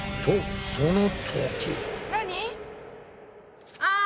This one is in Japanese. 何？